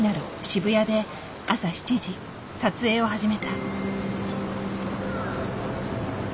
渋谷で朝７時撮影を始めた。